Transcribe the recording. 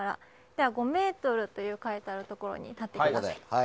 では５ｍと書いてあるところに立ってください。